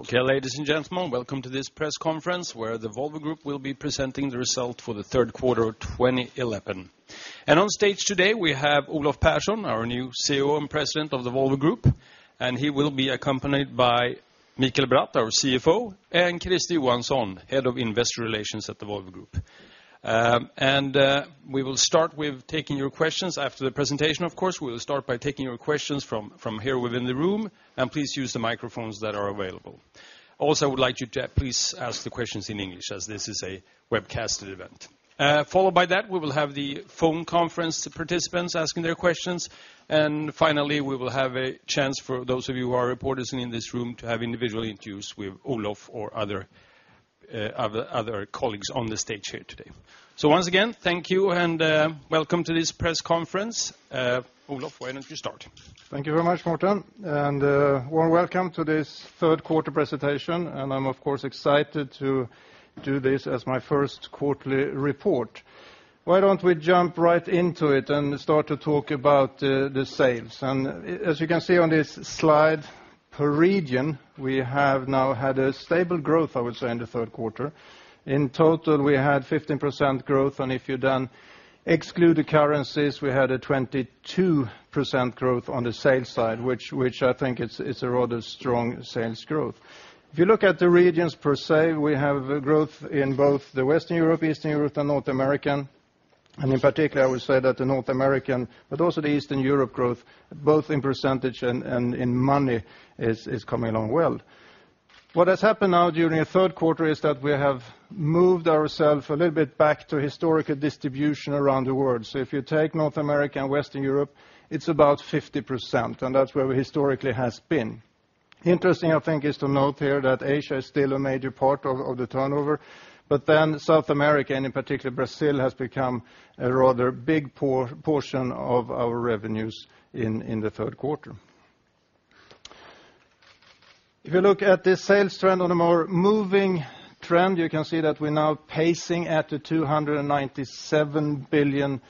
Okay, ladies and gentlemen, welcome to this press conference where the Volvo Group will be presenting the results for the third quarter of 2011. On stage today, we have Olof Persson, our new CEO and President of the Volvo Group. He will be accompanied by Mikael Bratt, our CFO, and Christer Johansson, Head of Investor Relations at the Volvo Group. We will start with taking your questions after the presentation, of course. We will start by taking your questions from here within the room, and please use the microphones that are available. I would like you to please ask the questions in English, as this is a webcasted event. Following that, we will have the phone conference participants asking their questions. Finally, we will have a chance for those of you who are reporters in this room to have individual interviews with Olof or other colleagues on the stage here today. Once again, thank you and welcome to this press conference. Olof, why don't you start? Thank you very much, Morten. A warm welcome to this third quarter presentation. I'm, of course, excited to do this as my first quarterly report. Why don't we jump right into it and start to talk about the sales. As you can see on this slide, per region, we have now had a stable growth, I would say, in the third quarter. In total, we had 15% growth. If you then exclude the currencies, we had a 22% growth on the sales side, which I think is a rather strong sales growth. If you look at the regions per se, we have growth in both Western Europe, Eastern Europe, and North America. In particular, I would say that North America, but also the Eastern Europe growth, both in percentage and in money, is coming along well. What has happened now during the third quarter is that we have moved ourselves a little bit back to historical distribution around the world. If you take North America and Western Europe, it's about 50%. That's where we historically have been. Interesting, I think, is to note here that Asia is still a major part of the turnover. South America, and in particular Brazil, has become a rather big portion of our revenues in the third quarter. If you look at the sales trend on a more moving trend, you can see that we're now pacing at the 297 billion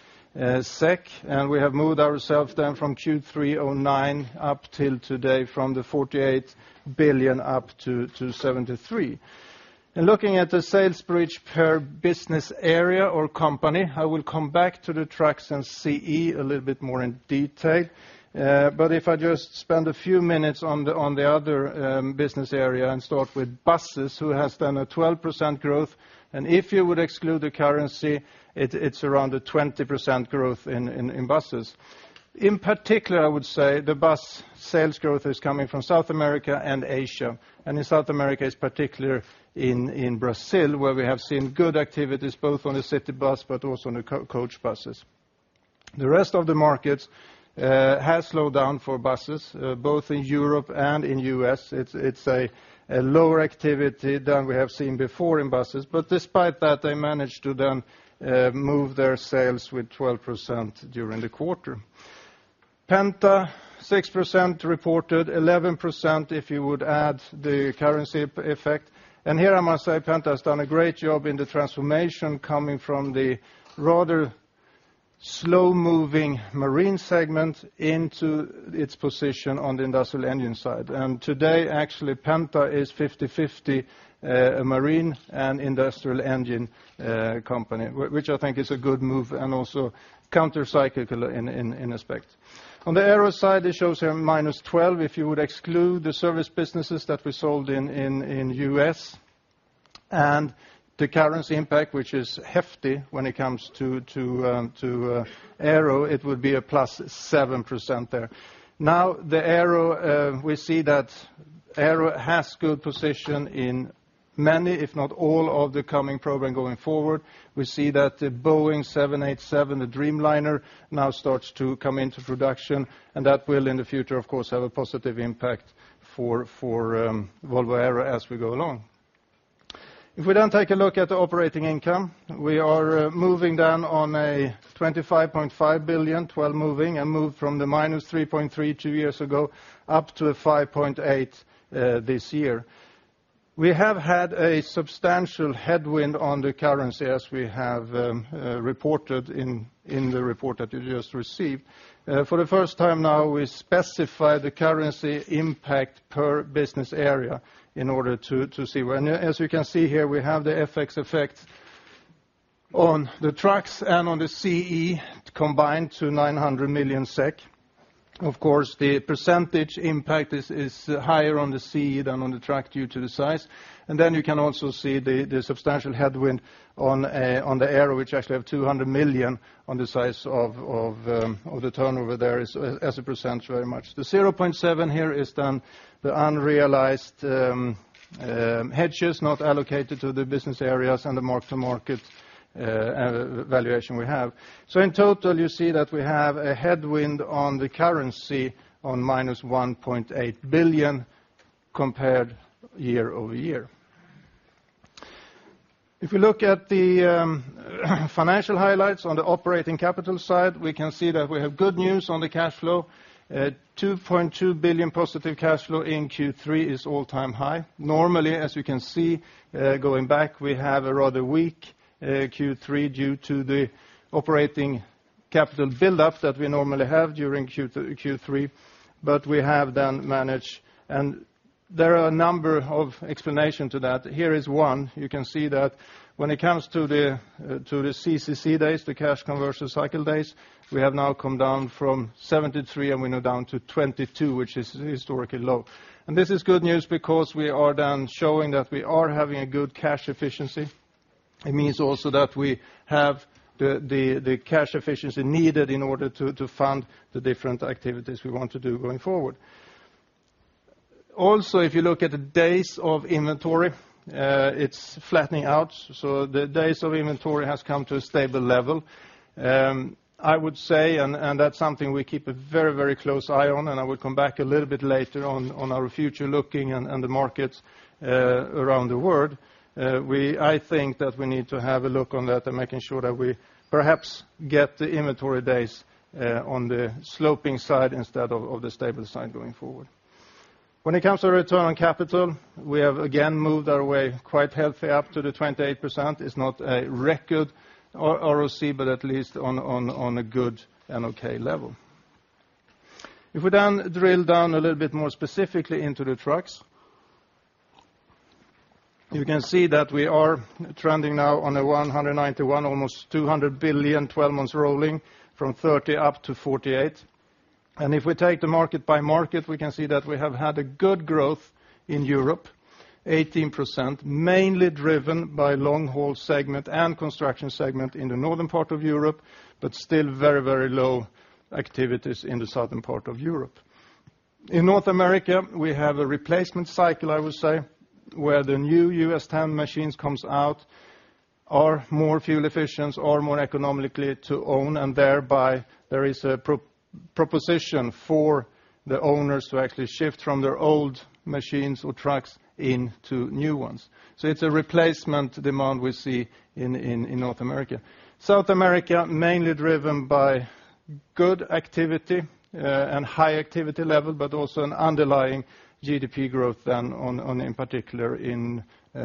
SEK. We have moved ourselves then from Q3 2009 up till today, from the 48 billion up to 73 billion. Looking at the sales breach per business area or company, I will come back to the Trucks and CE a little bit more in detail. If I just spend a few minutes on the other business area and start with Buses, who has done a 12% growth. If you would exclude the currency, it's around a 20% growth in Buses. In particular, I would say the bus sales growth is coming from South America and Asia. In South America, in particular in Brazil, we have seen good activities both on the city bus but also on the coach buses. The rest of the markets have slowed down for Buses, both in Europe and in the U.S. It's a lower activity than we have seen before in Buses. Despite that, they managed to then move their sales with 12% during the quarter. Penta, 6% reported, 11% if you would add the currency effect. Here I must say, Penta has done a great job in the transformation coming from the rather slow-moving marine segment into its position on the industrial engine side. Today, actually, Volvo Penta is 50/50 a marine and industrial engine company, which I think is a good move and also countercyclical in aspects. On the Aero side, it shows here -12% if you would exclude the service businesses that we sold in the U.S. The currency impact, which is hefty when it comes to Aero, would be a +7% there. Now, the Aero, we see that Aero has a good position in many, if not all, of the coming programs going forward. We see that the Boeing 787 Dreamliner now starts to come into production. That will, in the future, of course, have a positive impact for Volvo Aero as we go along. If we then take a look at the operating income, we are moving down on a 25.5 billion, 12% moving, and moved from the -3.3 billion two years ago up to a 5.8 billion this year. We have had a substantial headwind on the currency, as we have reported in the report that you just received. For the first time now, we specify the currency impact per business area in order to see where. As you can see here, we have the FX effect on the trucks and on the CE combined to 900 million SEK. Of course, the percentage impact is higher on the CE than on the truck due to the size. You can also see the substantial headwind on the Aero, which actually has 200 million on the size of the turnover there as a percent very much. The 0.7 billion here is then the unrealized hedges not allocated to the business areas and the mark-to-market valuation we have. In total, you see that we have a headwind on the currency on -1.8 billion compared year-over-year. If we look at the financial highlights on the operating capital side, we can see that we have good news on the cash flow. 2.2 billion positive cash flow in Q3 is all-time high. Normally, as you can see, going back, we have a rather weak Q3 due to the operating capital buildup that we normally have during Q3. We have then managed, and there are a number of explanations to that. Here is one. You can see that when it comes to the CCC days, the cash conversion cycle days, we have now come down from 73 days, and we're now down to 22 days, which is historically low. This is good news because we are then showing that we are having a good cash efficiency. It means also that we have the cash efficiency needed in order to fund the different activities we want to do going forward. Also, if you look at the days of inventory, it's flattening out. The days of inventory have come to a stable level. I would say, and that's something we keep a very, very close eye on, and I will come back a little bit later on our future looking and the markets around the world. I think that we need to have a look on that and making sure that we perhaps get the inventory days on the sloping side instead of the stable side going forward. When it comes to return on capital, we have again moved our way quite healthy up to the 28%. It's not a record ROC, but at least on a good and OK level. If we then drill down a little bit more specifically into the trucks, you can see that we are trending now on a 191 billion, almost 200 billion, 12 months rolling from 30 billion up to 48 billion. If we take the market by market, we can see that we have had a good growth in Europe, 18%, mainly driven by long-haul segment and construction segment in the northern part of Europe, but still very, very low activities in the southern part of Europe. In North America, we have a replacement cycle, I would say, where the new US10 machines come out, are more fuel efficient, are more economically to own, and thereby there is a proposition for the owners to actually shift from their old machines or trucks into new ones. It's a replacement demand we see in North America. South America, mainly driven by good activity and high activity level, but also an underlying GDP growth then, in particular in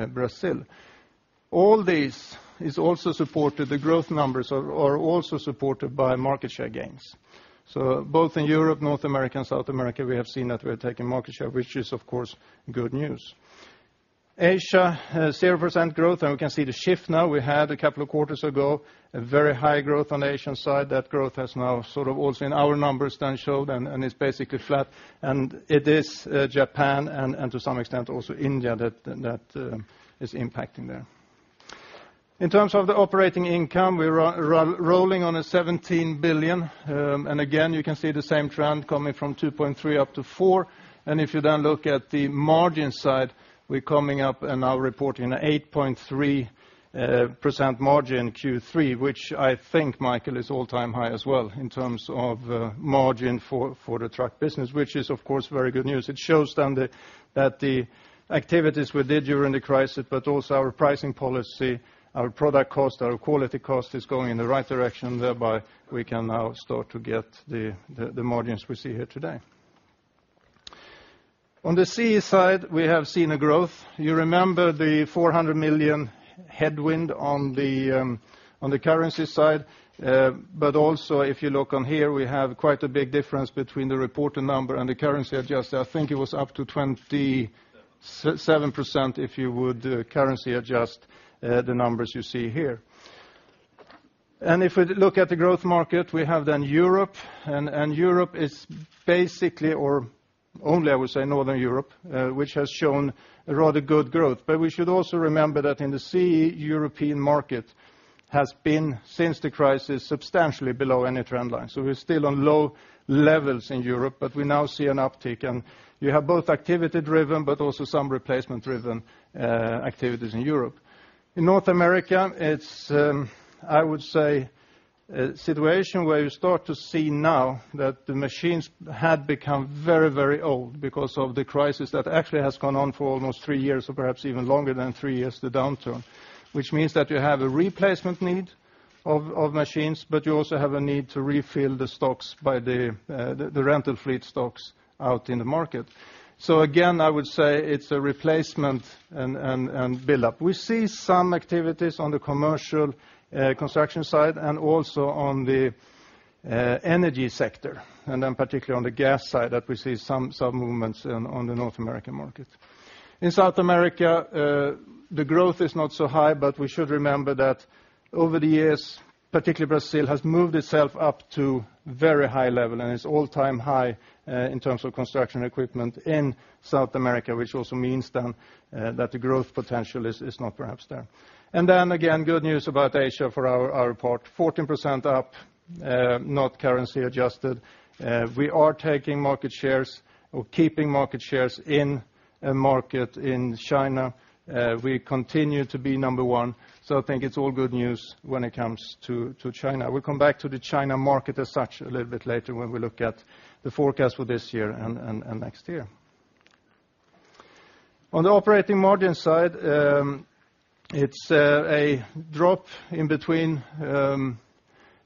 Brazil. All these are also supported, the growth numbers are also supported by market share gains. Both in Europe, North America, and South America, we have seen that we're taking market share, which is, of course, good news. Asia, 0% growth, and we can see the shift now. We had a couple of quarters ago a very high growth on the Asian side. That growth has now sort of also in our numbers then showed, and it's basically flat. It is Japan and to some extent also India that is impacting there. In terms of the operating income, we're rolling on a 17 billion. Again, you can see the same trend coming from 2.3 billion up to 4 billion. If you then look at the margin side, we're coming up and now reporting an 8.3% margin in Q3, which I think, Mikael, is all-time high as well in terms of margin for the truck business, which is, of course, very good news. It shows then that the activities we did during the crisis, but also our pricing policy, our product cost, our quality cost is going in the right direction. Thereby, we can now start to get the margins we see here today. On the CE side, we have seen a growth. You remember the 400 million headwind on the currency side. Also, if you look on here, we have quite a big difference between the reported number and the currency adjusted. I think it was up to 27% if you would currency adjust the numbers you see here. If we look at the growth market, we have then Europe. Europe is basically, or only, I would say, Northern Europe, which has shown rather good growth. We should also remember that in the CE, European market has been, since the crisis, substantially below any trend line. We're still on low levels in Europe, but we now see an uptick. You have both activity-driven, but also some replacement-driven activities in Europe. In North America, it's, I would say, a situation where you start to see now that the machines had become very, very old because of the crisis that actually has gone on for almost three years, or perhaps even longer than three years, the downturn, which means that you have a replacement need of machines, but you also have a need to refill the stocks by the rental fleet stocks out in the market. Again, I would say it's a replacement and buildup. We see some activities on the commercial construction side and also on the energy sector, and then particularly on the gas side that we see some movements on the North American market. In South America, the growth is not so high, but we should remember that over the years, particularly Brazil has moved itself up to a very high level, and it's all-time high in terms of construction equipment in South America, which also means then that the growth potential is not perhaps there. Good news about Asia for our part, 14% up, not currency adjusted. We are taking market shares or keeping market shares in a market in China. We continue to be number one. I think it's all good news when it comes to China. We'll come back to the China market as such a little bit later when we look at the forecast for this year and next year. On the operating margin side, it's a drop in between,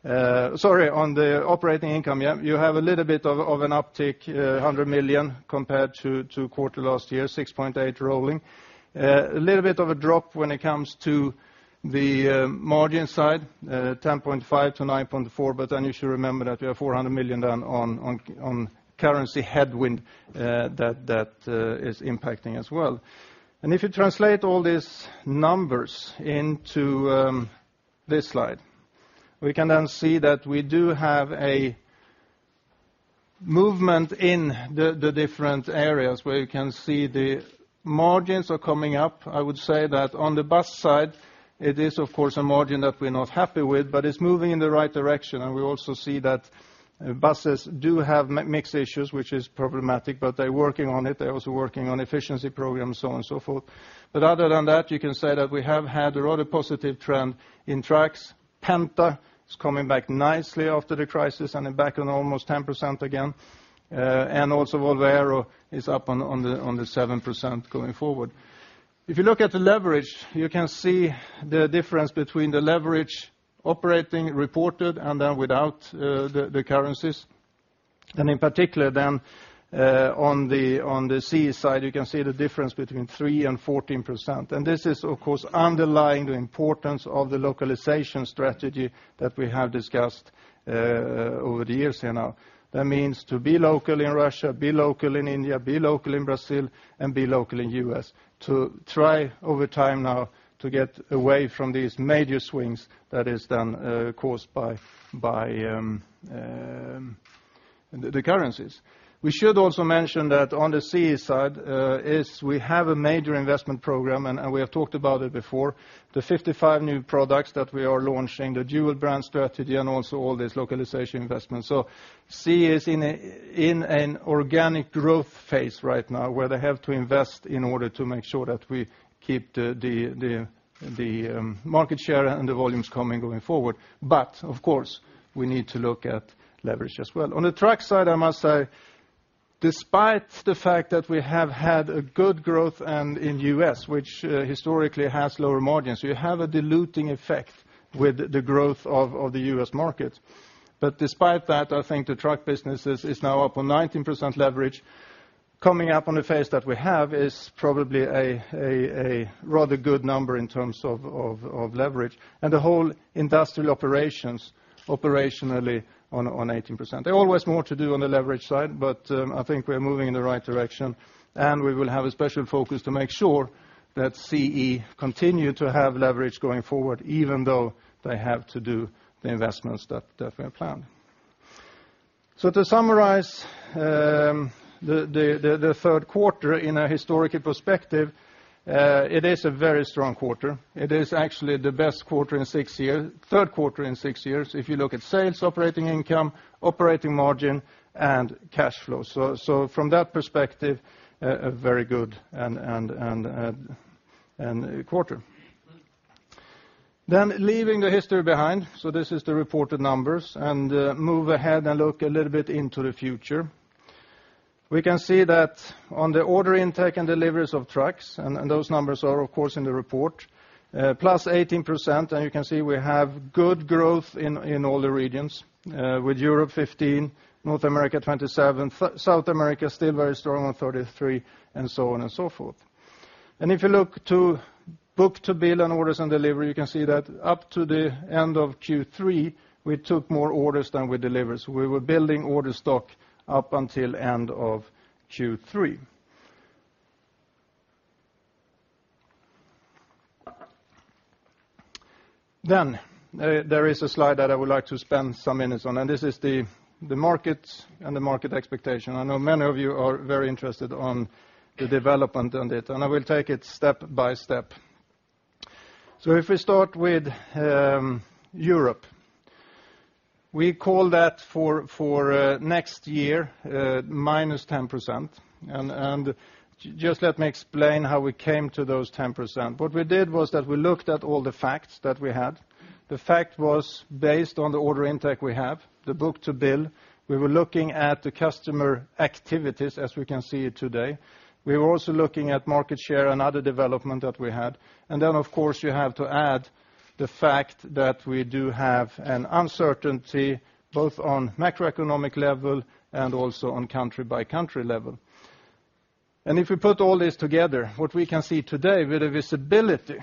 sorry, on the operating income. You have a little bit of an uptick, 100 million compared to the quarter last year, 6.8 billion rolling. A little bit of a drop when it comes to the margin side, 10.5% to 9.4%. You should remember that we have 400 million then on currency headwind that is impacting as well. If you translate all these numbers into this slide, we can then see that we do have a movement in the different areas where you can see the margins are coming up. I would say that on the bus side, it is, of course, a margin that we're not happy with, but it's moving in the right direction. We also see that buses do have mix issues, which is problematic, but they're working on it. They're also working on efficiency programs, so on and so forth. Other than that, you can say that we have had a rather positive trend in trucks. Penta is coming back nicely after the crisis and back on almost 10% again. Also, Volvo Aero is up on the 7% going forward. If you look at the leverage, you can see the difference between the leverage operating reported and then without the currencies. In particular, then on the CE side, you can see the difference between 3% and 14%. This is, of course, underlying the importance of the localization strategy that we have discussed over the years here now. That means to be local in Russia, be local in India, be local in Brazil, and be local in the U.S. To try over time now to get away from these major swings that are then caused by the currencies. We should also mention that on the CE side, we have a major investment program, and we have talked about it before, the 55 new products that we are launching, the dual-brand approach, and also all these localization investments. CE is in an organic growth phase right now where they have to invest in order to make sure that we keep the market share and the volumes coming going forward. Of course, we need to look at leverage as well. On the truck side, I must say, despite the fact that we have had a good growth in the U.S., which historically has lower margins, you have a diluting effect with the growth of the U.S. market. Despite that, I think the truck business is now up on 19% leverage. Coming up on the phase that we have is probably a rather good number in terms of leverage. The whole industrial operations operationally on 18%. There's always more to do on the leverage side, but I think we're moving in the right direction. We will have a special focus to make sure that CE continues to have leverage going forward, even though they have to do the investments that we have planned. To summarize the third quarter in a historical perspective, it is a very strong quarter. It is actually the best quarter in six years, third quarter in six years, if you look at sales, operating income, operating margin, and cash flow. From that perspective, a very good quarter. Leaving the history behind, this is the reported numbers, and move ahead and look a little bit into the future. We can see that on the order intake and deliveries of trucks, and those numbers are, of course, in the report, +18%. You can see we have good growth in all the regions, with Europe 15%, North America 27%, South America still very strong on 33%, and so on and so forth. If you look to book-to-bill and orders and delivery, you can see that up to the end of Q3, we took more orders than we delivered. We were building order stock up until the end of Q3. There is a slide that I would like to spend some minutes on, and this is the markets and the market expectation. I know many of you are very interested in the development on it, and I will take it step by step. If we start with Europe, we call that for next year -10%. Just let me explain how we came to those 10%. What we did was that we looked at all the facts that we had. The fact was based on the order intake we have, the book-to-bill. We were looking at the customer activities, as we can see it today. We were also looking at market share and other development that we had. You have to add the fact that we do have an uncertainty both on the macroeconomic level and also on the country-by-country level. If we put all this together, what we can see today with a visibility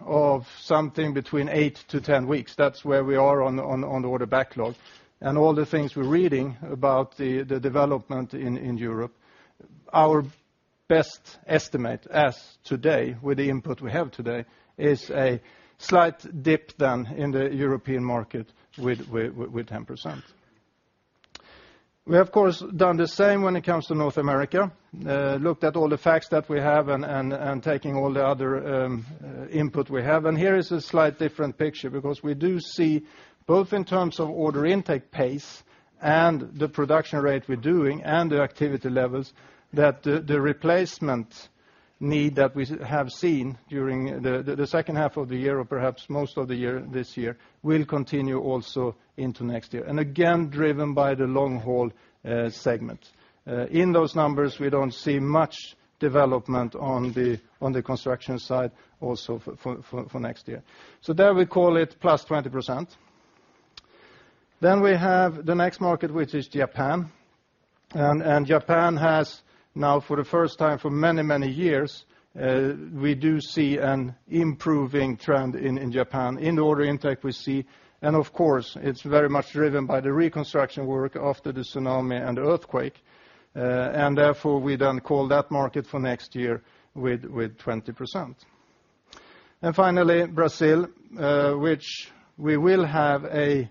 of something between eight to 10 weeks, that's where we are on the order backlog. All the things we're reading about the development in Europe, our best estimate as today, with the input we have today, is a slight dip then in the European market with 10%. We have done the same when it comes to North America. Looked at all the facts that we have and taking all the other input we have. Here is a slightly different picture because we do see both in terms of order intake pace and the production rate we're doing and the activity levels that the replacement need that we have seen during the second half of the year or perhaps most of the year this year will continue also into next year. Again, driven by the long-haul segment. In those numbers, we don't see much development on the construction side also for next year. There we call it +20%. We have the next market, which is Japan. Japan has now, for the first time for many, many years, we do see an improving trend in Japan. In the order intake we see, and of course, it's very much driven by the reconstruction work after the tsunami and the earthquake. Therefore, we call that market for next year with 20%. Finally, Brazil, which we will have a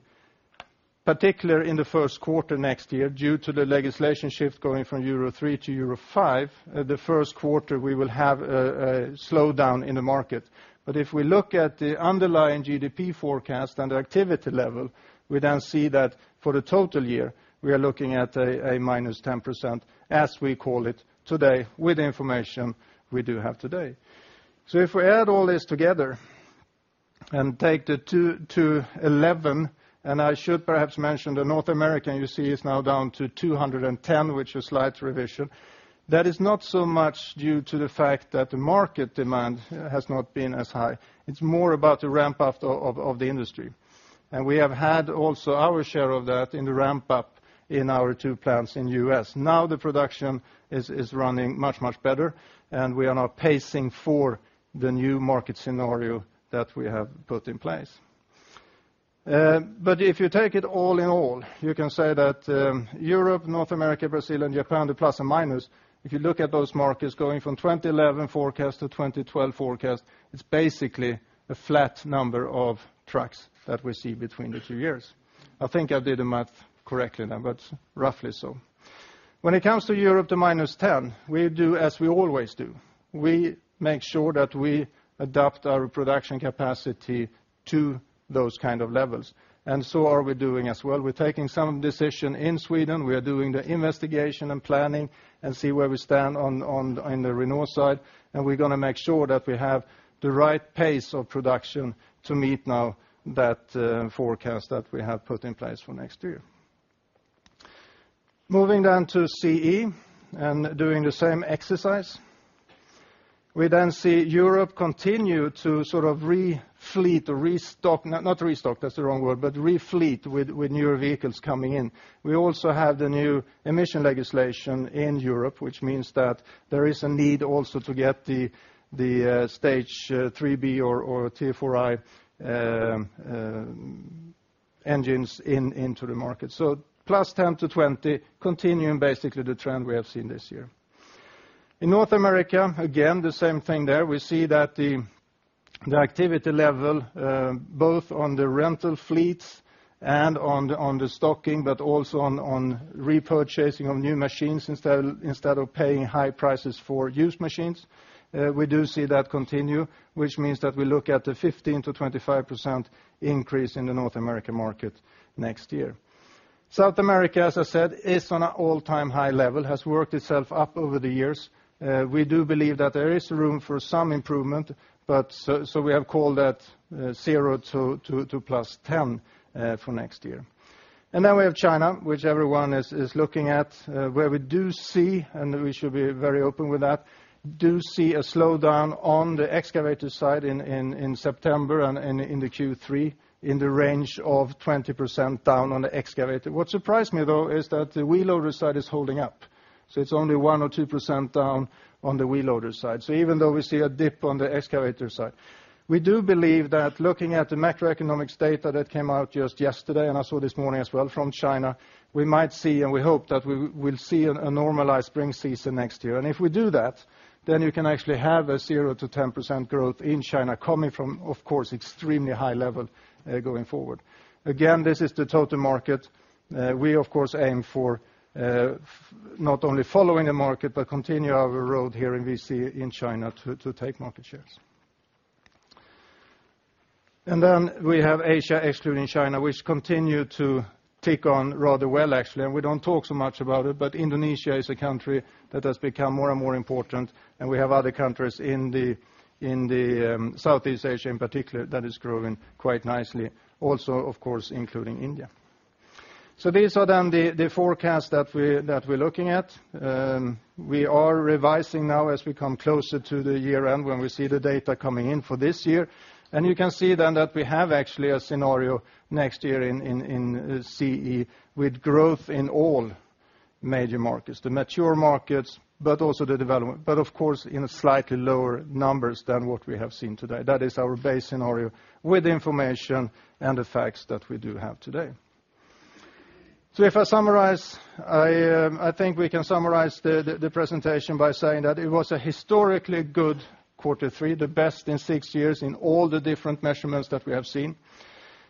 particular in the first quarter next year due to the legislation shift going from Euro 3 to Euro 5. The first quarter, we will have a slowdown in the market. If we look at the underlying GDP forecast and the activity level, we then see that for the total year, we are looking at a -10% as we call it today with the information we do have today. If we add all this together and take the 211 billion, and I should perhaps mention North America, you see, is now down to 210 billion, which is a slight revision. That is not so much due to the fact that the market demand has not been as high. It's more about the ramp-up of the industry. We have had also our share of that in the ramp-up in our two plants in the U.S. Now the production is running much, much better, and we are now pacing for the new market scenario that we have put in place. If you take it all in all, you can say that Europe, North America, Brazil, and Japan, the plus and minus, if you look at those markets going from 2011 forecast to 2012 forecast, it's basically a flat number of trucks that we see between the two years. I think I did the math correctly then, but roughly so. When it comes to Europe, the -10%, we do as we always do. We make sure that we adapt our production capacity to those kinds of levels. We are doing as well. We're taking some decisions in Sweden. We are doing the investigation and planning and see where we stand on the renewal side. We're going to make sure that we have the right pace of production to meet now that forecast that we have put in place for next year. Moving to CE and doing the same exercise. We then see Europe continue to sort of refleet or restock, not restock, that's the wrong word, but refleet with newer vehicles coming in. We also have the new emission legislation in Europe, which means that there is a need also to get the stage 3B or T4I engines into the market. +10%-20%, continuing basically the trend we have seen this year. In North America, again, the same thing there. We see that the activity level both on the rental fleets and on the stocking, but also on repurchasing of new machines instead of paying high prices for used machines. We do see that continue, which means that we look at the 15%-25% increase in the North American market next year. South America, as I said, is on an all-time high level, has worked itself up over the years. We do believe that there is room for some improvement, so we have called that 0% to +10% for next year. Then we have China, which everyone is looking at, where we do see, and we should be very open with that, do see a slowdown on the excavator side in September and in the Q3 in the range of 20% down on the excavator. What surprised me, though, is that the wheel loader side is holding up. It is only 1% or 2% down on the wheel loader side. Even though we see a dip on the excavator side, we do believe that looking at the macroeconomics data that came out just yesterday, and I saw this morning as well from China, we might see, and we hope that we will see a normalized spring season next year. If we do that, then you can actually have a 0%-10% growth in China coming from, of course, extremely high level going forward. This is the total market. We, of course, aim for not only following the market, but continue our road here in CE in China to take market shares. Then we have Asia, excluding China, which continue to take on rather well, actually. We do not talk so much about it, but Indonesia is a country that has become more and more important. We have other countries in Southeast Asia, in particular, that are growing quite nicely, also, of course, including India. These are then the forecasts that we are looking at. We are revising now as we come closer to the year end when we see the data coming in for this year. You can see then that we have actually a scenario next year in CE with growth in all major markets, the mature markets, but also the development. Of course, in slightly lower numbers than what we have seen today. That is our base scenario with information and the facts that we do have today. If I summarize, I think we can summarize the presentation by saying that it was a historically good quarter three, the best in six years in all the different measurements that we have seen.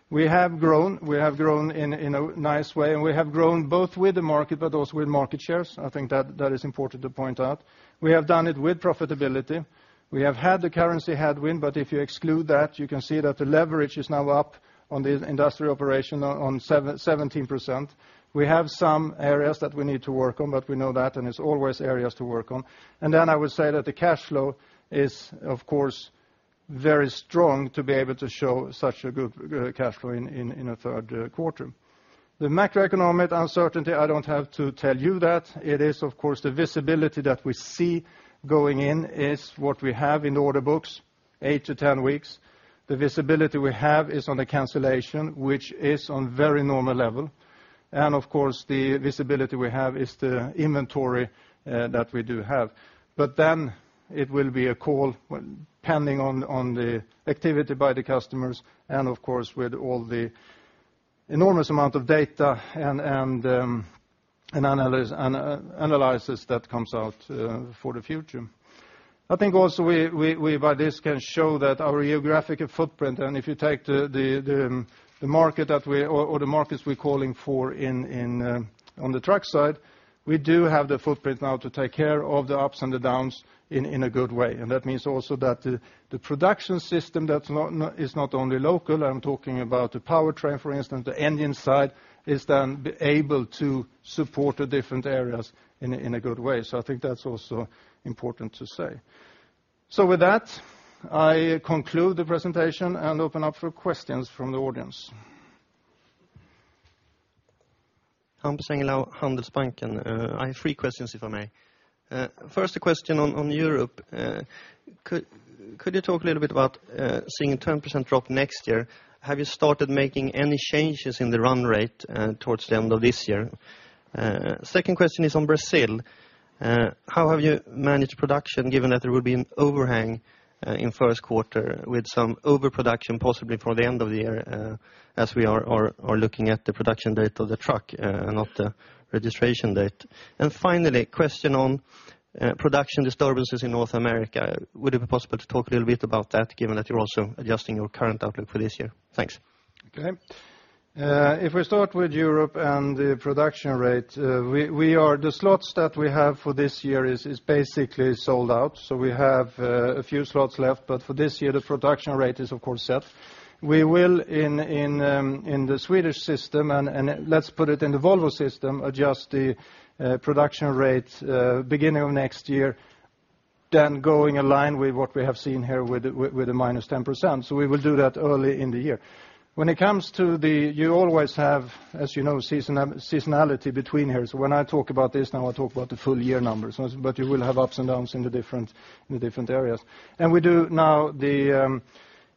We have grown, we have grown in a nice way, and we have grown both with the market, but also with market shares. I think that is important to point out. We have done it with profitability. We have had the currency headwind, but if you exclude that, you can see that the leverage is now up on the industrial operation on 17%. We have some areas that we need to work on, but we know that, and it's always areas to work on. I would say that the cash flow is, of course, very strong to be able to show such a good cash flow in a third quarter. The macroeconomic uncertainty, I don't have to tell you that. It is, of course, the visibility that we see going in is what we have in the order books, eight to ten weeks. The visibility we have is on the cancellation, which is on a very normal level. Of course, the visibility we have is the inventory that we do have. It will be a call, depending on the activity by the customers, and, of course, with all the enormous amount of data and analysis that comes out for the future. I think also we by this can show that our geographical footprint, and if you take the market that we or the markets we're calling for on the truck side, we do have the footprint now to take care of the ups and the downs in a good way. That means also that the production system that is not only local, I'm talking about the powertrain, for instance, the engine side, is then able to support the different areas in a good way. I think that's also important to say. With that, I conclude the presentation and open up for questions from the audience. Hampus Engellau, Handelsbanken. I have three questions, if I may. First, a question on Europe. Could you talk a little bit about seeing a 10% drop next year? Have you started making any changes in the run rate towards the end of this year? Second question is on Brazil. How have you managed production, given that there will be an overhang in the first quarter with some overproduction, possibly for the end of the year, as we are looking at the production date of the truck and not the registration date? Finally, a question on production disturbances in North America. Would it be possible to talk a little bit about that, given that you're also adjusting your current outlook for this year? Thanks. Okay. If I start with Europe and the production rate, the slots that we have for this year are basically sold out. We have a few slots left, but for this year, the production rate is, of course, set. We will, in the Swedish system, and let's put it in the Volvo system, adjust the production rate beginning of next year, then going in line with what we have seen here with a -10%. We will do that early in the year. When it comes to the, you always have, as you know, seasonality between here. When I talk about this now, I talk about the full year numbers, but you will have ups and downs in the different areas. We do now the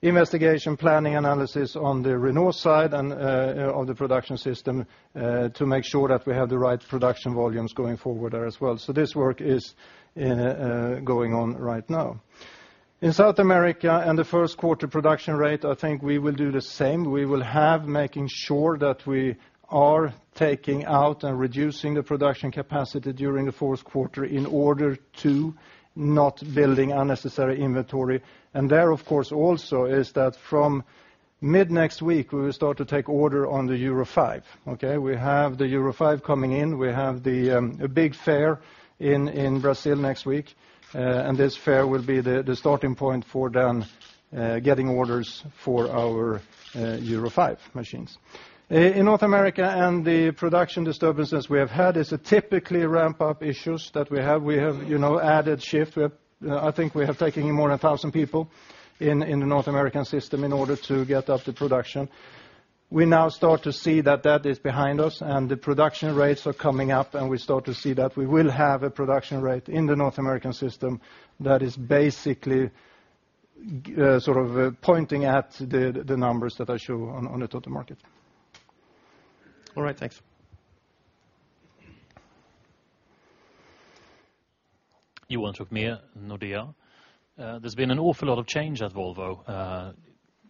investigation, planning analysis on the renewal side of the production system to make sure that we have the right production volumes going forward there as well. This work is going on right now. In South America and the first quarter production rate, I think we will do the same. We will have to make sure that we are taking out and reducing the production capacity during the first quarter in order to not build unnecessary inventory. There, of course, also is that from mid-next week, we will start to take order on the Euro 5. We have the Euro 5 coming in. We have the big fair in Brazil next week. This fair will be the starting point for then getting orders for our Euro 5 machines. In North America and the production disturbances we have had, it's typically ramp-up issues that we have. We have added shifts. I think we have taken in more than 1,000 people in the North American system in order to get up the production. We now start to see that that is behind us and the production rates are coming up and we start to see that we will have a production rate in the North American system that is basically sort of pointing at the numbers that I show on the total market. All right, thanks. There's been an awful lot of change at Volvo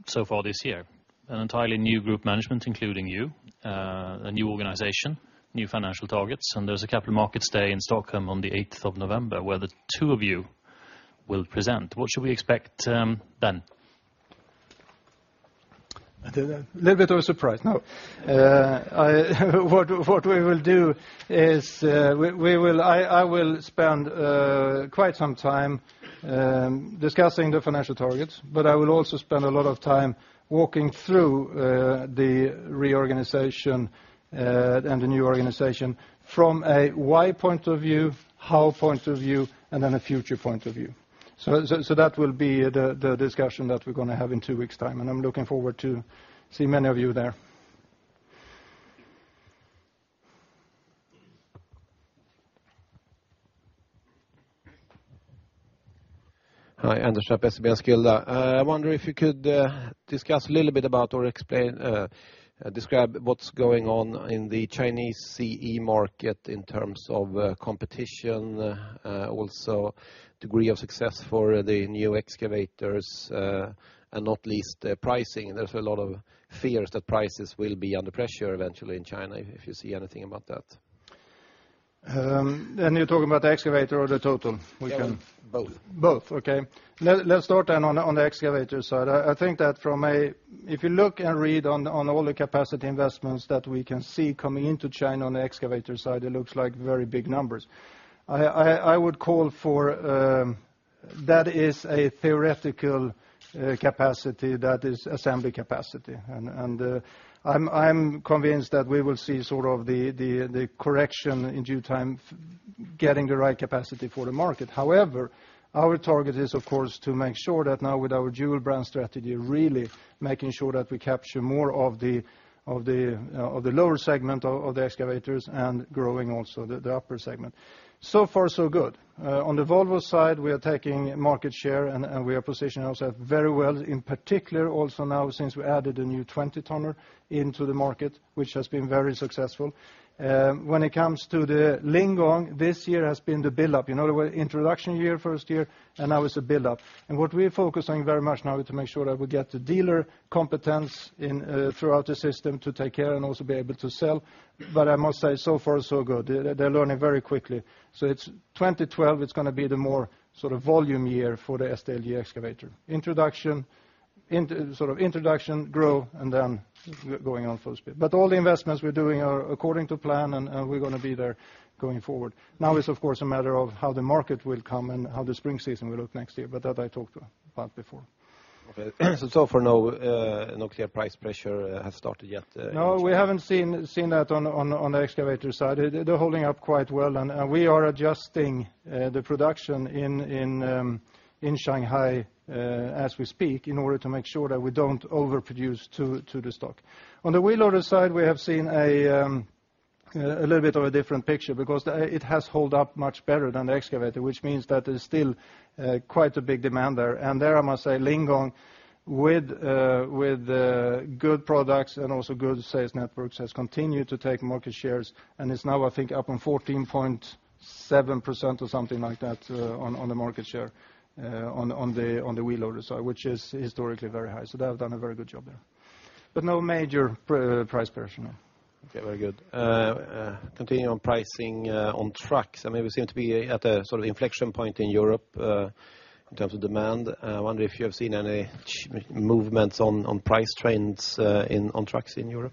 so far this year. An entirely new Group management, including you, a new organization, new financial targets, and there's a Capital Markets Day in Stockholm on the 8th of November where the two of you will present. What should we expect then? A little bit of a surprise, no. What we will do is I will spend quite some time discussing the financial targets, but I will also spend a lot of time walking through the reorganization and the new organization from a why point of view, how point of view, and then a future point of view. That will be the discussion that we're going to have in two weeks' time. I'm looking forward to seeing many of you there. Hi, Anders Hjort, SBS Gulda. I wonder if you could discuss a little bit about or describe what's going on in the Chinese CE market in terms of competition, also degree of success for the new excavators, and not least the pricing. There's a lot of fears that prices will be under pressure eventually in China, if you see anything about that. Are you talking about the excavator or the total? Both. Both, okay. Let's start then on the excavator side. I think that if you look and read on all the capacity investments that we can see coming into China on the excavator side, it looks like very big numbers. I would call for that as a theoretical capacity that is assembly capacity. I'm convinced that we will see the correction in due time, getting the right capacity for the market. However, our target is, of course, to make sure that now with our dual-brand approach, really making sure that we capture more of the lower segment of the excavators and growing also the upper segment. So far, so good. On the Volvo side, we are taking market share and we are positioning ourselves very well, in particular also now since we added a new 20-tonner into the market, which has been very successful. When it comes to the Lingong, this year has been the buildup. The introduction year, first year, and now it's a buildup. What we're focusing very much now is to make sure that we get the dealer competence throughout the system to take care and also be able to sell. I must say, so far, so good. They're learning very quickly. 2012 is going to be the more sort of volume year for the SDLG excavator. Introduction, grow, and then going on full speed. All the investments we're doing are according to plan and we're going to be there going forward. Now it's, of course, a matter of how the market will come and how the spring season will look next year, but that I talked about before. Okay. So far, no clear price pressure has started yet. No, we haven't seen that on the excavator side. They're holding up quite well, and we are adjusting the production in Shanghai as we speak in order to make sure that we don't overproduce to the stock. On the wheel loader side, we have seen a little bit of a different picture because it has held up much better than the excavator, which means that there's still quite a big demand there. I must say, Lingong with good products and also good sales networks has continued to take market shares and is now, I think, up on 14.7% or something like that on the market share on the wheel loader side, which is historically very high. They have done a very good job there. No major price pressure. Okay, very good. Continuing on pricing on trucks, I mean, we seem to be at a sort of inflection point in Europe in terms of demand. I wonder if you have seen any movements on price trends on trucks in Europe?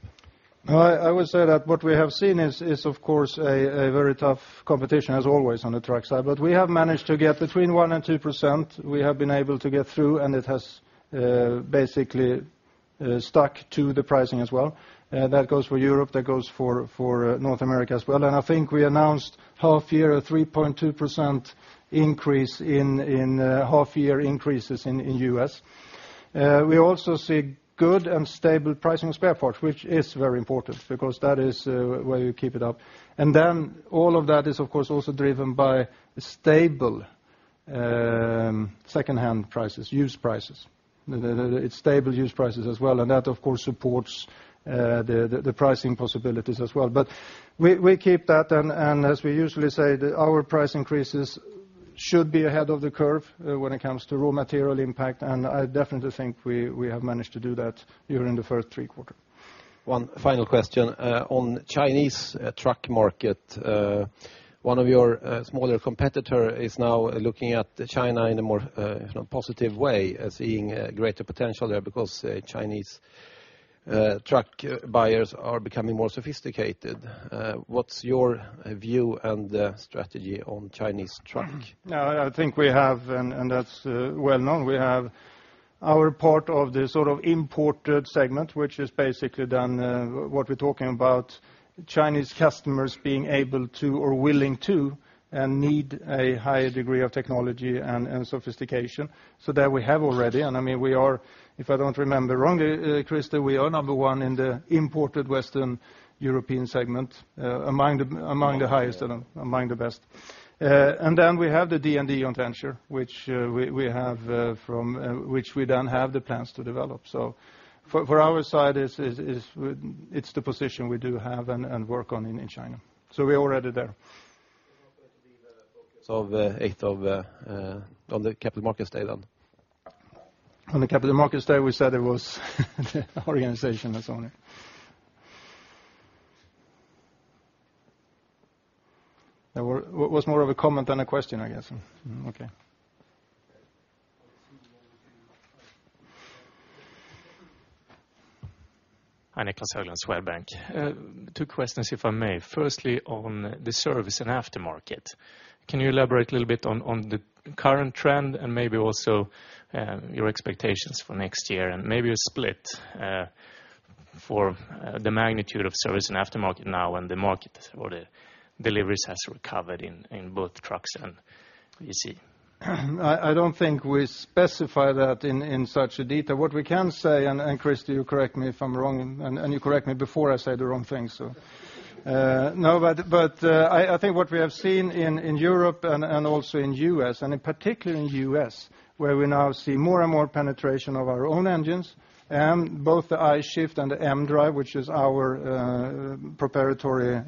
No, I would say that what we have seen is, of course, a very tough competition, as always, on the truck side. We have managed to get between 1% and 2%. We have been able to get through and it has basically stuck to the pricing as well. That goes for Europe, that goes for North America as well. I think we announced half-year a 3.2% increase in half-year increases in the U.S. We also see good and stable pricing of spare parts, which is very important because that is where you keep it up. All of that is, of course, also driven by stable second-hand prices, used prices. It's stable used prices as well. That, of course, supports the pricing possibilities as well. We keep that and, as we usually say, our price increases should be ahead of the curve when it comes to raw material impact. I definitely think we have managed to do that during the first three quarters. One final question on the Chinese truck market. One of your smaller competitors is now looking at China in a more positive way, seeing greater potential there because Chinese truck buyers are becoming more sophisticated. What's your view and strategy on Chinese truck? I think we have, and that's well known, we have our part of the sort of imported segment, which is basically then what we're talking about. Chinese customers being able to or willing to and need a higher degree of technology and sophistication. That we have already. I mean, we are, if I don't remember wrong, Christer, we are number one in the imported Western European segment, among the highest and among the best. We have the D&D on venture, which we have from which we then have the plans to develop. For our side, it's the position we do have and work on in China. We're already there. On the Capital Markets Day then? On the Capital Markets Day, we said it was the organization that's on it. That was more of a comment than a question, I guess. Okay. Hi, Niclas Höglund, Swedbank. Two questions, if I may. Firstly, on the service and aftermarket. Can you elaborate a little bit on the current trend, and maybe also your expectations for next year, and maybe a split for the magnitude of service and aftermarket now when the market or the deliveries have recovered in both trucks and VC? I don't think we specify that in such detail. What we can say, and Christer, you correct me if I'm wrong, you correct me before I say the wrong thing. No, I think what we have seen in Europe and also in the U.S., and in particular in the U.S., where we now see more and more penetration of our own engines and both the I-Shift and the M-Drive, which is our proprietary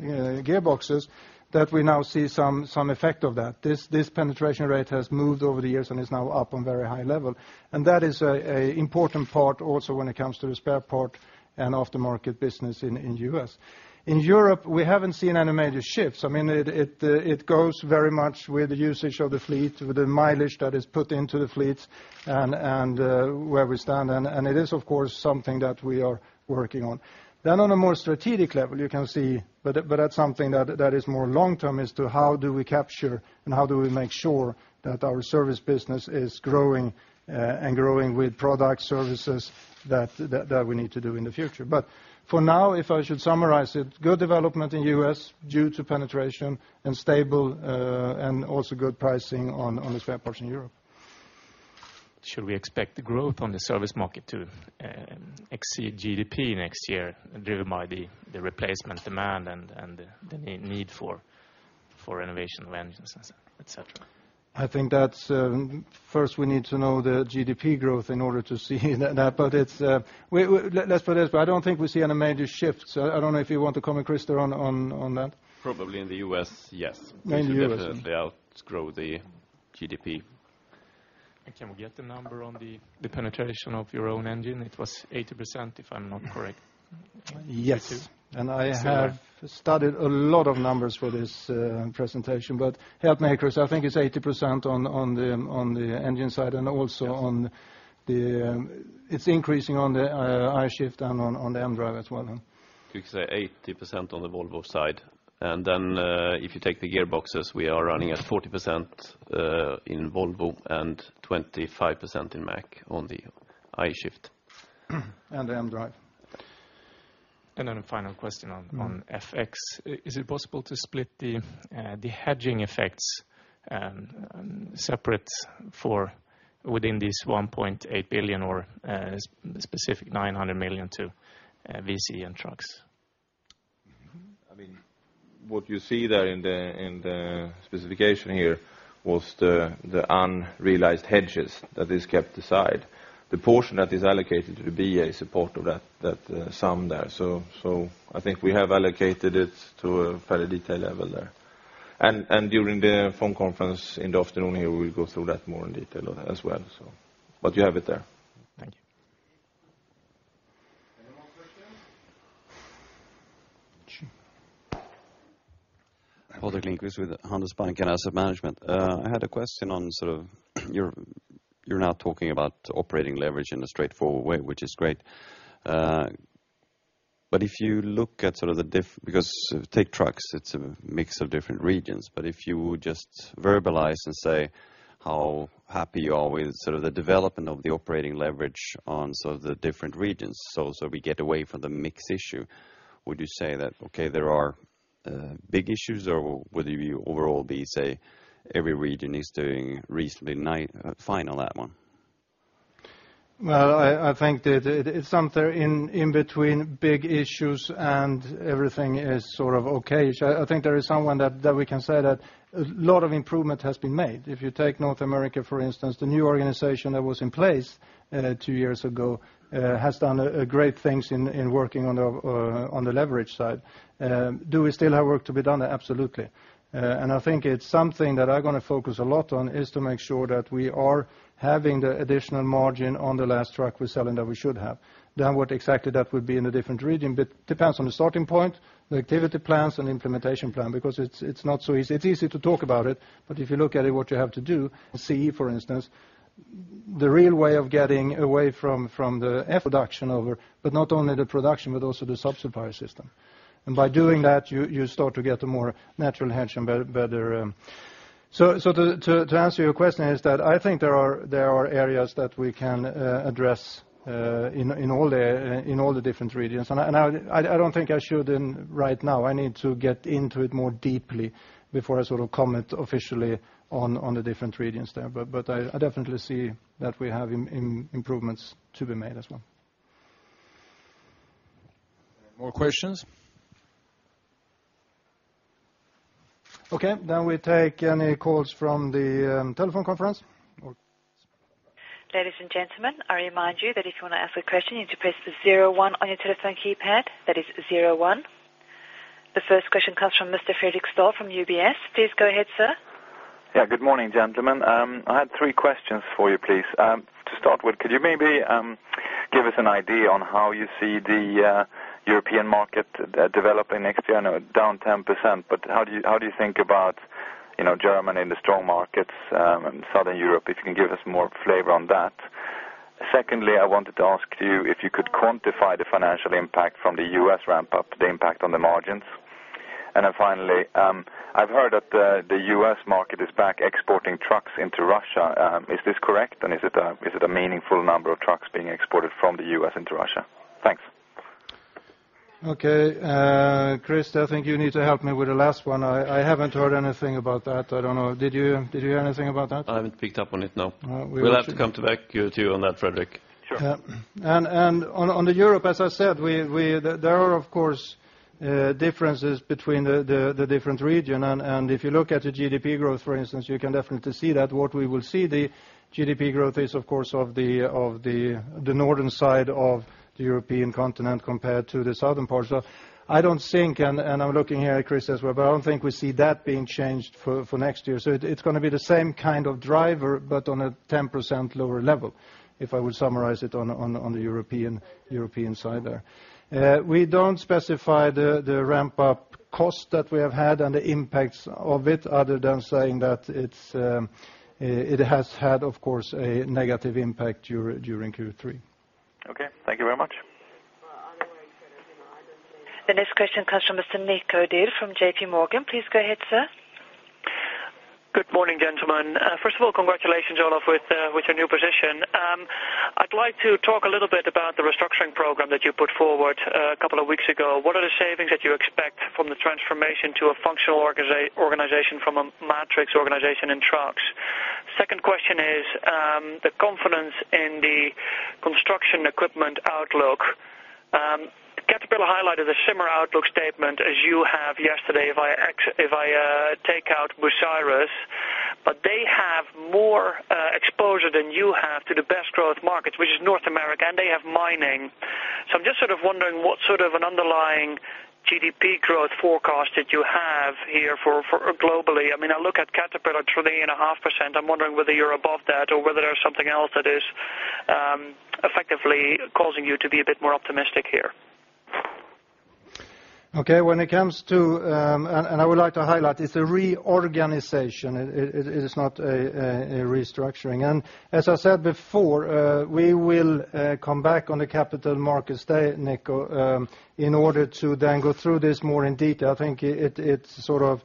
gearboxes, that we now see some effect of that. This penetration rate has moved over the years and is now up on a very high level. That is an important part also when it comes to the spare part and aftermarket business in the U.S. In Europe, we haven't seen any major shifts. It goes very much with the usage of the fleet, with the mileage that is put into the fleets and where we stand. It is, of course, something that we are working on. On a more strategic level, you can see, but that's something that is more long-term as to how do we capture and how do we make sure that our service business is growing and growing with products, services that we need to do in the future. For now, if I should summarize it, good development in the U.S. due to penetration and stable and also good pricing on the spare parts in Europe. Should we expect the growth on the service market to exceed GDP next year, driven by the replacement demand and the need for innovation languages, etc.? I think first we need to know the GDP growth in order to see that. Let's put it this way, I don't think we see any major shifts. I don't know if you want to comment, Christer, on that. Probably in the U.S., yes. In the U.S. They outgrow the GDP. I can't forget the number on the penetration of your own engine. It was 80%, if I'm not correct. Yes. I have studied a lot of numbers for this presentation, but help me, Christian, I think it's 80% on the engine side, and also, it's increasing on the I-Shift and on the M-Drive as well. To say 80% on the Volvo side. If you take the gearboxes, we are running at 40% in Volvo and 25% in Mack on the I-Shift. The M-Drive. Is it possible to split the hedging effects separate for within this 1.8 billion or specific 900 million to VCE and trucks? I mean, what you see there in the specification here was the unrealized hedges that is kept aside. The portion that is allocated to the BA is a part of that sum there. I think we have allocated it to a fairly detailed level there. During the phone conference in the afternoon here, we'll go through that more in detail as well. You have it there. Thank you. [Paul] Lindquist with Handelsbanken Asset Management. I had a question on sort of you're now talking about operating leverage in a straightforward way, which is great. If you look at sort of the different, because take trucks, it's a mix of different regions. If you just verbalize and say how happy you are with sort of the development of the operating leverage on sort of the different regions, so we get away from the mixed issue, would you say that, okay, there are big issues or would you overall be saying every region is doing reasonably fine on that one? I think it's something in between big issues and everything is sort of okay. I think there is someone that we can say that a lot of improvement has been made. If you take North America, for instance, the new organization that was in place two years ago has done great things in working on the leverage side. Do we still have work to be done? Absolutely. I think it's something that I'm going to focus a lot on is to make sure that we are having the additional margin on the last truck we're selling that we should have. What exactly that would be in a different region depends on the starting point, the activity plans, and the implementation plan because it's not so easy. It's easy to talk about it, but if you look at it, what you have to do, CE, for instance, the real way of getting away from the F production over, but not only the production but also the subsupply system. By doing that, you start to get a more natural hedge and better. To answer your question, I think there are areas that we can address in all the different regions. I don't think I should right now. I need to get into it more deeply before I sort of comment officially on the different regions there. I definitely see that we have improvements to be made as well. More questions? Okay, we take any calls from the telephone conference. Ladies and gentlemen, I remind you that if you want to ask a question, you need to press the zero one on your telephone keypad. That is zero one. The first question comes from Mr. Fredric Stahl from UBS. Please go ahead, sir. Yeah, good morning, gentlemen. I had three questions for you, please. To start with, could you maybe give us an idea on how you see the European market developing next year? I know it's down 10%, but how do you think about Germany and the strong markets in Southern Europe? If you can give us more flavor on that. Secondly, I wanted to ask you if you could quantify the financial impact from the U.S. ramp-up, the impact on the margins. Finally, I've heard that the U.S. market is back exporting trucks into Russia. Is this correct? Is it a meaningful number of trucks being exported from the U.S. into Russia? Thanks. Okay, Christer, I think you need to help me with the last one. I haven't heard anything about that. I don't know. Did you hear anything about that? I haven't picked up on it, no. We'll have to come back to you on that, Fredrik. Sure. On Europe, as I said, there are, of course, differences between the different regions. If you look at the GDP growth, for instance, you can definitely see that what we will see, the GDP growth is, of course, of the northern side of the European continent compared to the southern part. I don't think, and I'm looking here at Christer as well, but I don't think we see that being changed for next year. It's going to be the same kind of driver, but on a 10% lower level, if I would summarize it on the European side there. We don't specify the ramp-up cost that we have had and the impacts of it, other than saying that it has had, of course, a negative impact during Q3. Okay, thank you very much. The next question comes from Mr. Nick Hoder from JPMorgan. Please go ahead, sir. Good morning, gentlemen. First of all, congratulations all of you with your new position. I'd like to talk a little bit about the restructuring program that you put forward a couple of weeks ago. What are the savings that you expect from the transformation to a functional organization from a matrix organization in trucks? Second question is the confidence in the construction equipment outlook. Caterpillar highlighted a similar outlook statement as you have yesterday if I take out Bucyrus, but they have more exposure than you have to the best growth markets, which is North America, and they have mining. I'm just sort of wondering what sort of an underlying GDP growth forecast that you have here for globally. I mean, I look at Caterpillar at 3.5%. I'm wondering whether you're above that or whether there's something else that is effectively causing you to be a bit more optimistic here. Okay, when it comes to, and I would like to highlight, it's a reorganization. It is not a restructuring. As I said before, we will come back on the Capital Markets Day, Nico, in order to then go through this more in detail. I think it sort of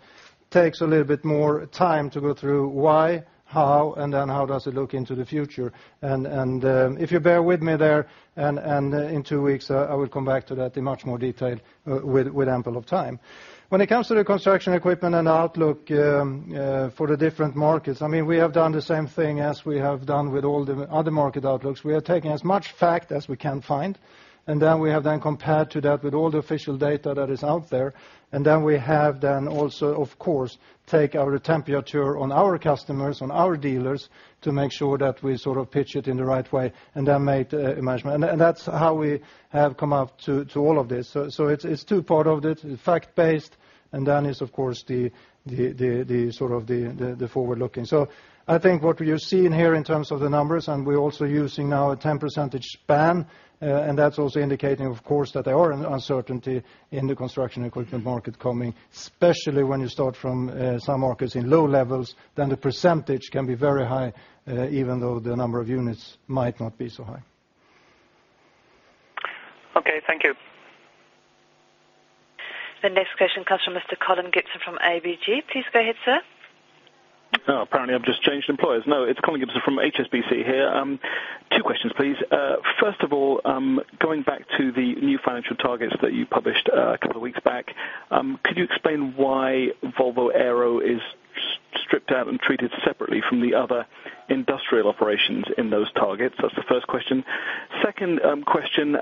takes a little bit more time to go through why, how, and then how does it look into the future. If you bear with me there, in two weeks, I will come back to that in much more detail with ample of time. When it comes to the construction equipment and the outlook for the different markets, we have done the same thing as we have done with all the other market outlooks. We are taking as much fact as we can find. We have then compared that with all the official data that is out there. We have also, of course, taken our temperature on our customers, on our dealers to make sure that we sort of pitch it in the right way and then make the management. That's how we have come up to all of this. It's two parts of this. It's fact-based, and then it's, of course, the sort of the forward-looking. I think what you're seeing here in terms of the numbers, we're also using now a 10% span, and that's also indicating, of course, that there are uncertainties in the construction equipment market coming, especially when you start from some markets in low levels, then the percentage can be very high, even though the number of units might not be so high. Okay, thank you. The next question comes from Mr. Colin Gibson from HSBC. Please go ahead, sir. Apparently, I've just changed employers. No, it's Colin Gibson from HSBC here. Two questions, please. First of all, going back to the new financial targets that you published a couple of weeks back, could you explain why Volvo Aero is stripped out and treated separately from the other industrial operations in those targets? That's the first question. Second question,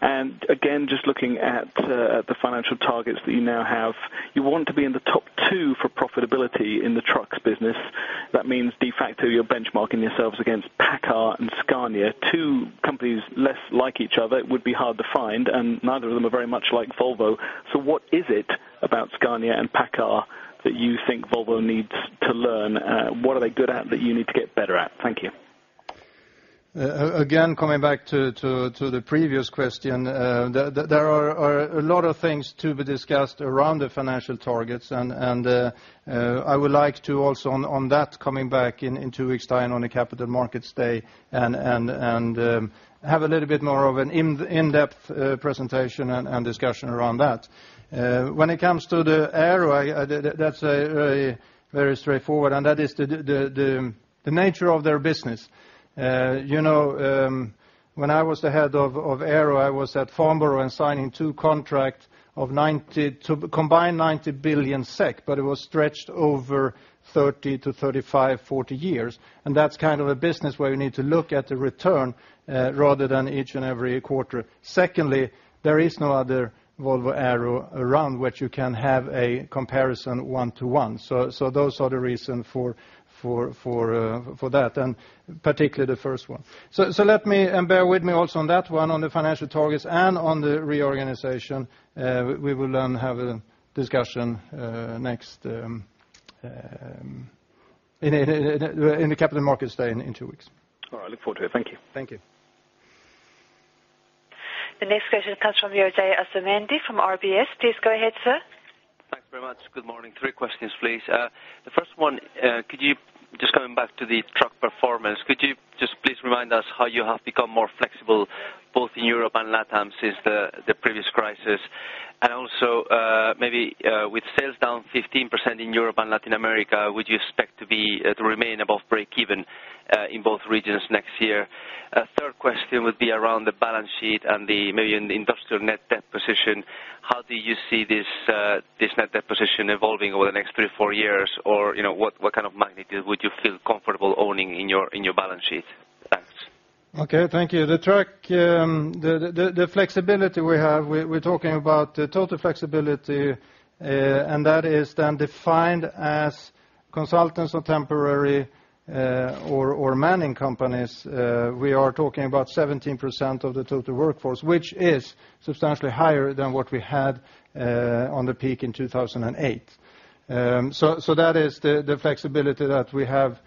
and again, just looking at the financial targets that you now have, you want to be in the top two for profitability in the trucks business. That means de facto you're benchmarking yourselves against Paccar and Scania. Two companies less like each other would be hard to find, and neither of them are very much like Volvo. What is it about Scania and Paccar that you think Volvo needs to learn? What are they good at that you need to get better at? Thank you. Again, coming back to the previous question, there are a lot of things to be discussed around the financial targets. I would like to also, on that, come back in two weeks' time on the Capital Markets Day and have a little bit more of an in-depth presentation and discussion around that. When it comes to Volvo Aero, that's very straightforward, and that is the nature of their business. You know, when I was the Head of Aero, I was at Farnborough and signing two contracts of combined 90 billion SEK, but it was stretched over 30 years-35 years, 40 years. That's kind of a business where you need to look at the return rather than each and every quarter. Secondly, there is no other Volvo Aero around which you can have a comparison one-to-one. Those are the reasons for that, and particularly the first one. Let me, and bear with me also on that one, on the financial targets and on the reorganization, we will then have a discussion next in the Capital Markets Day in two weeks. All right, I look forward to it. Thank you. Thank you. The next question comes from José Asumendi from RBS. Please go ahead, sir. Thanks very much. Good morning. Three questions, please. The first one, could you, just coming back to the truck performance, could you just please remind us how you have become more flexible both in Europe and Latin since the previous crisis? Also, maybe with sales down 15% in Europe and Latin America, would you expect to remain above break even in both regions next year? Third question would be around the balance sheet and maybe an industrial net debt position. How do you see this net debt position evolving over the next three to four years, or what kind of magnitude would you feel comfortable owning in your balance sheet? Thanks. Okay, thank you. The truck, the flexibility we have, we're talking about total flexibility, and that is then defined as consultants or temporary or manning companies. We are talking about 17% of the total workforce, which is substantially higher than what we had on the peak in 2008. That is the flexibility that we have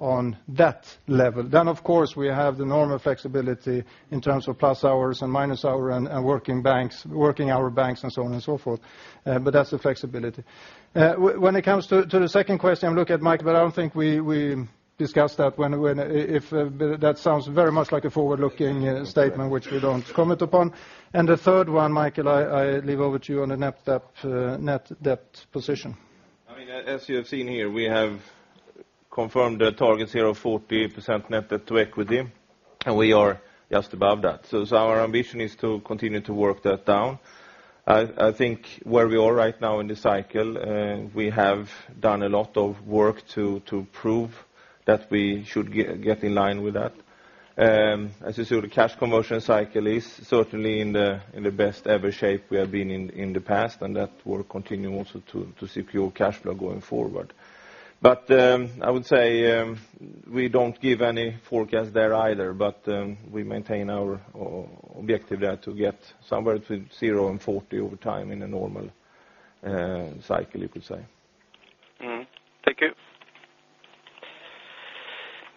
on that level. Of course, we have the normal flexibility in terms of plus hours and minus hours and working hour banks, and so on and so forth. That's the flexibility. When it comes to the second question, I'm looking at Mikael, but I don't think we discussed that. It sounds very much like a forward-looking statement, which we don't comment upon. The third one, Mikael, I leave over to you on the net debt position. I mean, as you have seen here, we have confirmed the targets here of 40% net debt/equity, and we are just above that. Our ambition is to continue to work that down. I think where we are right now in the cycle, we have done a lot of work to prove that we should get in line with that. As you saw, the cash conversion cycle is certainly in the best ever shape we have been in in the past, and that will continue also to secure cash flow going forward. We don't give any forecast there either, but we maintain our objective there to get somewhere between 0% and 40% over time in a normal cycle, you could say. Thank you.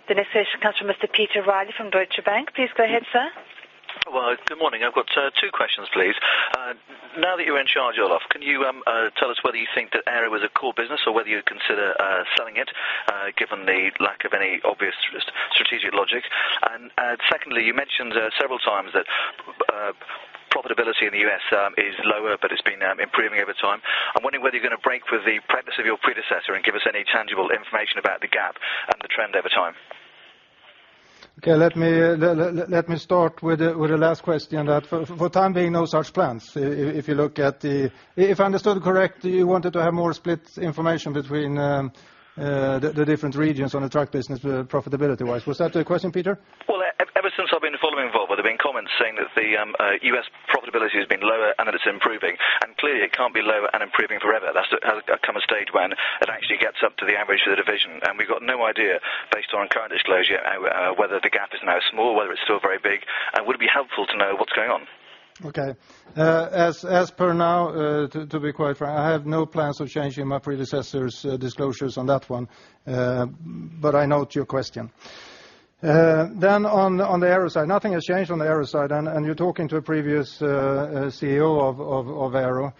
The next question comes from Mr. Peter Riley from Deutsche Bank. Please go ahead, sir. Good morning. I've got two questions, please. Now that you're in charge, Olof, can you tell us whether you think that Aero is a core business or whether you consider selling it, given the lack of any obvious strategic logic? Secondly, you mentioned several times that profitability in the U.S. is lower, but it's been improving over time. I'm wondering whether you're going to break with the practice of your predecessor and give us any tangible information about the gap and the trend over time. Okay, let me start with the last question. For the time being, no such plans. If you look at the, if I understood correctly, you wanted to have more split information between the different regions on the truck business profitability-wise. Was that the question, Peter? Ever since I've been following Volvo, there have been comments saying that the U.S. profitability has been lower and that it's improving. Clearly, it can't be lower and improving forever. That comes a stage when it actually gets up to the average of the division. We've got no idea, based on current disclosure, whether the gap is now small or whether it's still very big, and would it be helpful to know what's going on? Okay. As per now, to be quite frank, I have no plans of changing my predecessor's disclosures on that one, but I note your question. On the Aero side, nothing has changed on the Aero side, and you're talking to a previous CEO of Volvo Aero.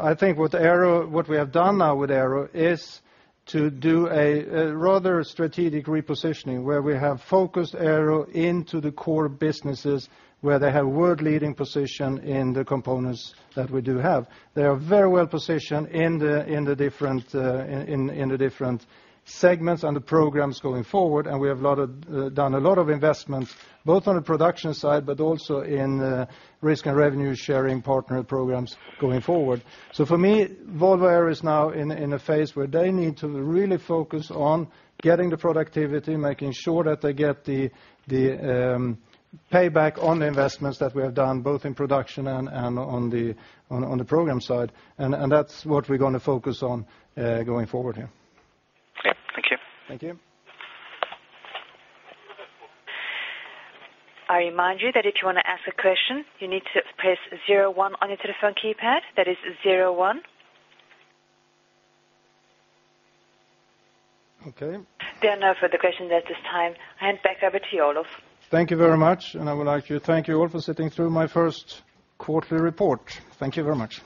I think what we have done now with Aero is to do a rather strategic repositioning where we have focused Aero into the core businesses where they have a world-leading position in the components that we do have. They are very well positioned in the different segments and the programs going forward, and we have done a lot of investments both on the production side, but also in risk and revenue sharing partner programs going forward. For me, Volvo Aero is now in a phase where they need to really focus on getting the productivity, making sure that they get the payback on the investments that we have done both in production and on the program side. That's what we're going to focus on going forward here. Okay, thank you. Thank you. I remind you that if you want to ask a question, you need to press zero one on your telephone keypad. That is zero one. Okay. There are no further questions at this time. I hand back over to you, Olof. Thank you very much. I would like to thank you all for sitting through my first quarterly report. Thank you very much.